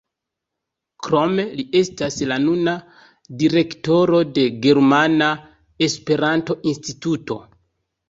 Krome li estas la nuna direktoro de Germana Esperanto-Instituto.